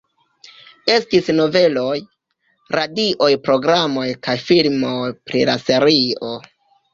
Estis noveloj, radio programoj kaj filmoj pri la serio.